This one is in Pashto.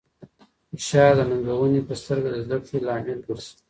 فشار د ننګونې په سترګه د زده کړې لامل ګرځي.